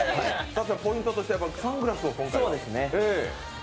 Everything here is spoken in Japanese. ポイントとしては今回サングラスを？